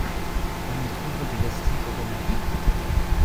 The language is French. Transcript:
On y trouve des vestiges romains.